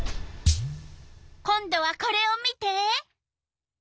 今度はこれを見て！